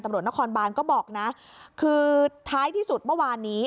ตำรวจนครบานก็บอกนะคือท้ายที่สุดเมื่อวานนี้